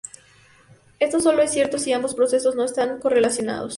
Esto sólo es cierto si ambos procesos no están correlacionados.